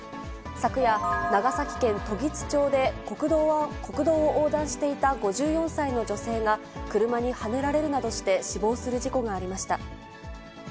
昨夜、長崎県時津町で国道を横断していた５４歳の女性が、車にはねられるなどして死亡する事故がありました。